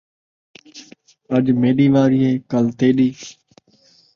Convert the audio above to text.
اڄ میݙی واری ہے، کل تیݙی